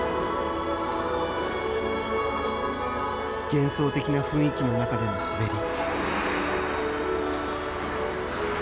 幻想的な雰囲気の中での滑り。